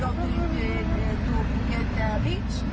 ไม่เป็นไร